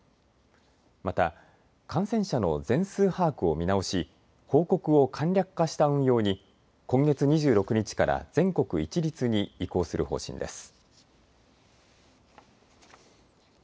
また感染者の全数把握を見直し報告を簡略化した運用に今月２６日から全国一律に移行する方針です。